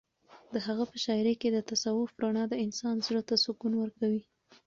د هغه په شاعرۍ کې د تصوف رڼا د انسان زړه ته سکون ورکوي.